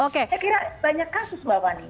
saya kira banyak kasus mbak fani